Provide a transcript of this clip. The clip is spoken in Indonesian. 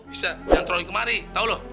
bisa nyantroni kemari tau loh